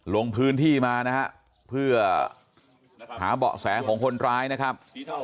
ลงพื้นที่มานะฮะเพื่อหาเบาะแสของคนร้ายนะครับ